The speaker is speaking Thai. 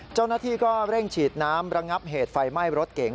เจ้าหน้าที่ก็เร่งฉีดน้ำระงับเหตุไฟไหม้รถเก๋ง